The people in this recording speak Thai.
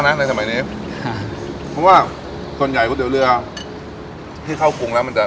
ในสมัยนี้ค่ะเพราะว่าส่วนใหญ่ก๋วยเตี๋ยวเรือที่เข้าปรุงแล้วมันจะ